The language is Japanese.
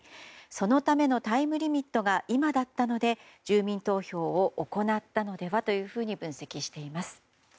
そのためのタイムリミットが今だったので住民投票を行ったのではというふうに分析しています。